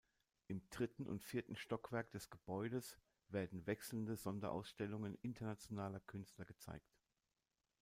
Im dritten und vierten Stockwerk des Gebäudes werden wechselnde Sonderausstellungen internationaler Künstler gezeigt.